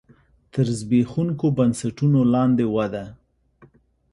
تر زبېښونکو بنسټونو لاندې وده.